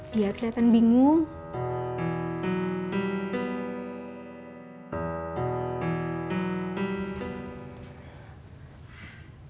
dia kelihatan bingung